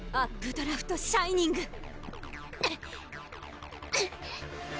ドラフト・シャイニングいくよ！